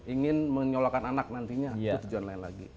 ingin menyolokkan anak nantinya itu tujuan lain lagi